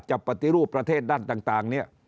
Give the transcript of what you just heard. จะปฏิรูปประเทศดั้งเนี่ย